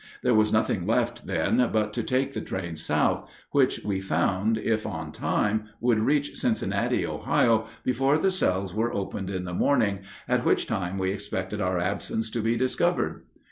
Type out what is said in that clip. There was nothing left, then, but to take the train south, which we found, if on time, would reach Cincinnati, Ohio, before the cells were opened in the morning, at which time we expected our absence to be discovered.